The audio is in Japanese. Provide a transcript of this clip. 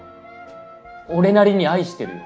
俺なりに愛してるよ。